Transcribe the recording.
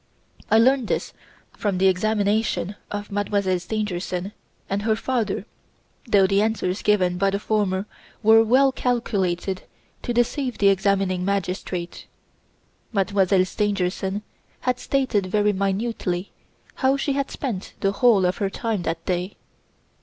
I learned this from the examination of Mademoiselle Stangerson and her father, though the answers given by the former were well calculated to deceive the examining magistrate Mademoiselle Stangerson had stated very minutely how she had spent the whole of her time that day.